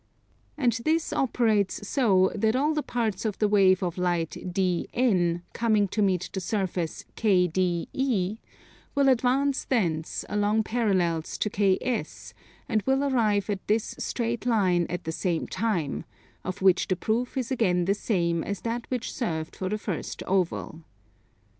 And this operates so that all the parts of the wave of light DN, coming to meet the surface KDE, will advance thence along parallels to KS and will arrive at this straight line at the same time; of which the proof is again the same as that which served for the first oval.